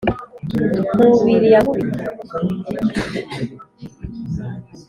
nkubiri ya nkubito